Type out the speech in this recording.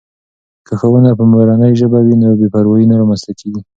که ښوونه په مورنۍ ژبه وي نو بې پروایي نه رامنځته کېږي.